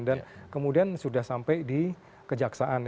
dan kemudian sudah sampai di kejaksaan